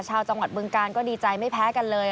ชาวจังหวัดบึงการก็ดีใจไม่แพ้กันเลย